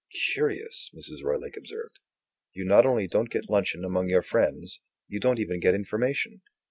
"Curious!" Mrs. Roylake observed. "You not only don't get luncheon among your friends: you don't even get information.